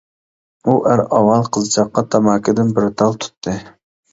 ئۇ ئەر ئاۋۋال قىزچاققا تاماكىدىن بىر تال تۇتتى.